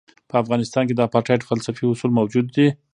په افغانستان کې د اپارټایډ فلسفي اصول موجود دي.